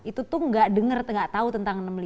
itu tuh gak denger gak tau tentang